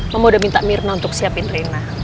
mama udah minta mirna untuk siapin rena